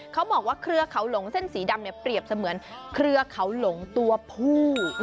เครือเขาหลงเส้นสีดำเนี่ยเปรียบเสมือนเครือเขาหลงตัวผู้